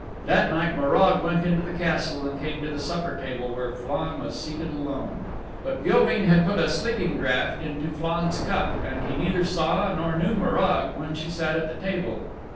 That night Morag went into the Castle and came to the supper table where Flann was seated alone. But Gilveen had put a sleeping draught into Flann's cup and he neither saw nor knew Morag when she sat at the table.